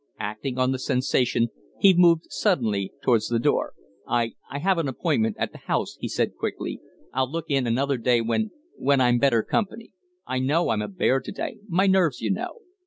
Acting on the sensation, he moved suddenly towards the door. "I I have an appointment at the House," he said, quickly. "I'll look in another day when when I'm better company. I know I'm a bear to day. My nerves, you know."